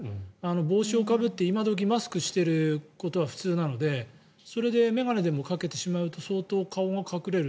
帽子をかぶって今どき、マスクをしているのは普通なので、それで眼鏡でもかけてしまうと相当、顔が隠れる。